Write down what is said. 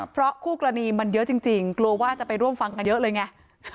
เพราะคู่กรณีมันเยอะจริงกลัวว่าจะไปร่วมฟังกันเยอะเลยไง